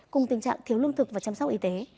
cùng tình trạng thiếu lương thực và chăm sóc y tế